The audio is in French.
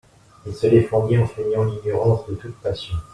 Il se défendit en feignant l'ignorance de toute passion.